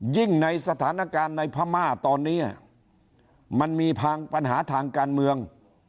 ในสถานการณ์ในพม่าตอนนี้มันมีทางปัญหาทางการเมือง